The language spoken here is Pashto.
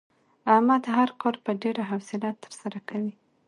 احمد هر کار په ډېره حوصله ترسره کوي.